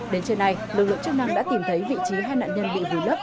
đến trời này lực lượng chức năng đã tìm thấy vị trí hai nạn nhân bị vùi lấp